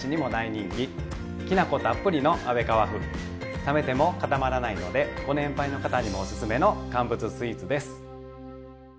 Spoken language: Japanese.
冷めても固まらないのでご年配の方にもおすすめの乾物スイーツです。